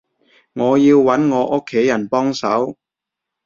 我要揾我屋企人幫手